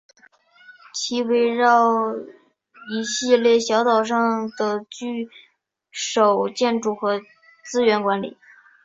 其围绕一系列小岛上的聚居建筑和资源管理。